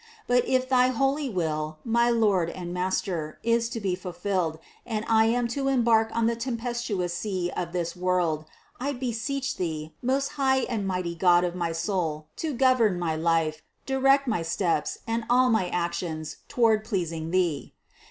But if thy holy Will, my Lord and Master, is to be fulfilled, and I am to embark on the tempestuous sea of this world, I beseech Thee, most high and mighty God of my soul, to govern my life, direct my steps and all my actions toward pleasing Thee.